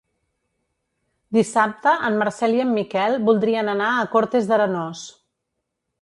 Dissabte en Marcel i en Miquel voldrien anar a Cortes d'Arenós.